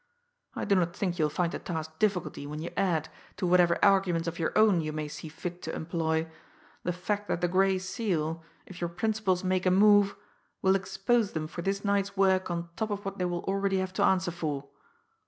I do not think you will find the task difficult when you add, to whatever arguments of your own you may see fit to employ, the fact that the Gray Seal, if your principals make a move, will expose them for this night's work on top of what they will already have to answer for.